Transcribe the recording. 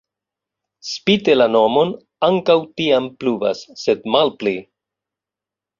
Spite la nomon ankaŭ tiam pluvas, sed malpli.